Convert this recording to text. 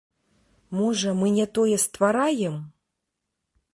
Можа, мы не тое ствараем?